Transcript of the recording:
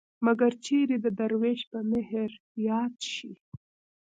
مګر چېرې د دروېش په مهر ياد شي.